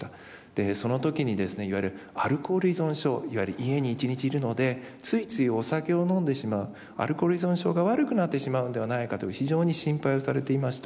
でその時にですねいわゆるアルコール依存症いわゆる家に一日いるのでついついお酒を飲んでしまうアルコール依存症が悪くなってしまうのではないかという非常に心配をされていました。